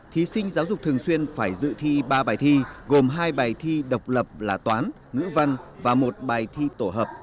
thí sinh giáo dục thường xuyên phải dự thi ba bài thi gồm hai bài thi độc lập là toán ngữ văn và một bài thi tổ hợp